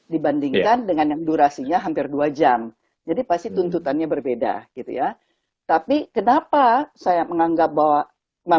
dibandingkan dengan yang durasinya hampir dua jam jadi pasti tuntutannya berbeda gitu ya tapi kenapa saya menganggap bahwa